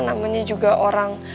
namanya juga orang